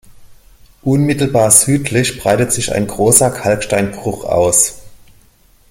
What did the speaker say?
Unmittelbar südlich breitet sich ein großer Kalksteinbruch aus.